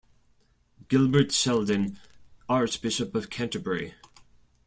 Gilbert Sheldon, Archbishop of Canterbury.